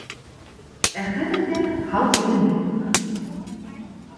Ә хәҙергә һау-сәләмәт булығыҙ!